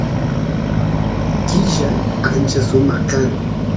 killa ancha sumaq kan